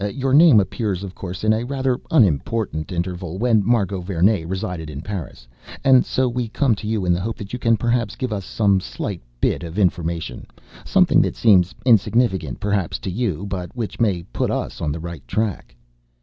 Your name appears, of course, in a rather unimportant interval when Margot Vernee resided in Paris. And so we come to you in the hope that you can perhaps give us some slight bit of information something that seems insignificant, perhaps, to you, but which may put us on the right track."